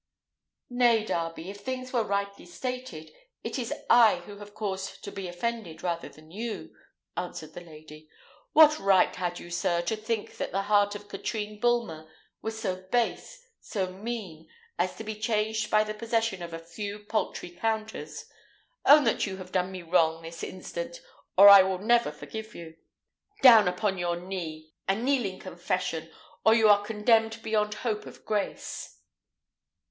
"Nay, Darby, if things were rightly stated, it is I who have cause to be offended rather than you," answered the lady. "What right had you, sir, to think that the heart of Katrine Bulmer was so base, so mean, as to be changed by the possession of a few paltry counters? Own that you have done me wrong this instant, or I will never forgive you. Down upon your knee! a kneeling confession, or you are condemned beyond hope of grace."